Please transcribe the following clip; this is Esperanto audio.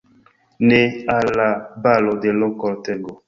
Ne; al la balo de l' kortego!